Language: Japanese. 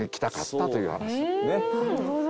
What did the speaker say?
なるほど。